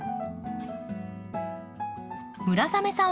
村雨さん